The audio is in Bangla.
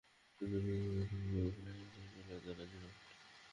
কিন্তু তিনি দুই বন্ধুকে বিপদে ফেলে সেখান থেকে চলে যেতে রাজি নন।